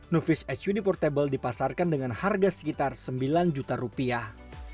nuvis hud portable dipasarkan dengan harga sekitar sembilan juta rupiah